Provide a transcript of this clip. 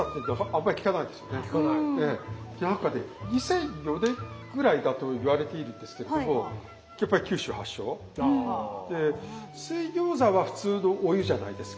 ２００４年ぐらいだと言われているんですけれどもやっぱり九州発祥。で水餃子は普通のお湯じゃないですか。